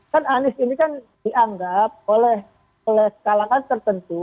kan anies ini kan dianggap oleh kalangan tertentu